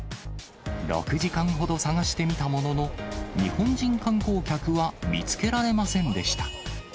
６時間ほど探してみたものの、日本人観光客は見つけられませんでした。